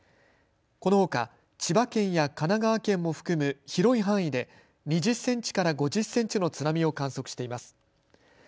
このほか、千葉県や神奈川県も含む広い範囲で、２０センチから５０センチの津波を観測しています。